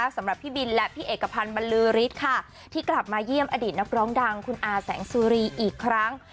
สำหรับพี่บินและพี่เอกพันธ์บรรลือฤทธิ์ค่ะที่กลับมาเยี่ยมอดีตนักร้องดังคุณอาแสงสุรีอีกครั้ง